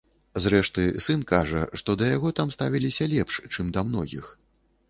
Зрэшты, сын кажа, што да яго там ставіліся лепш, чым да многіх.